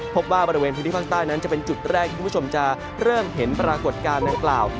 พบว่าบริเวณพื้นที่ภาคใต้นั้นจะเป็นจุดแรกที่คุณผู้ชมจะเริ่มเห็นปรากฏการณ์ดังกล่าว